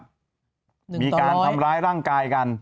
๑ต่อร้อยมีการทำร้ายร่างกายกัน